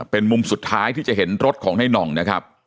เป็นมุมสุดท้ายที่จะเห็นรถของในน่องนะครับ